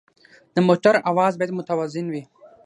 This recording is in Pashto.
د موټر اواز باید متوازن وي.